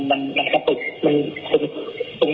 ปุ่งมือเข้าไปทางไกลปืนครับ